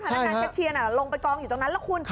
นักการแคปเชียร์ลงไปกองอยู่ตรงนั้นแล้วคุณ